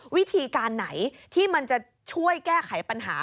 วิธีการไหนที่มันจะช่วยแก้ไขปัญหา